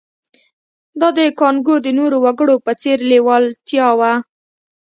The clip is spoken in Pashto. دا د کانګو د نورو وګړو په څېر لېوالتیا وه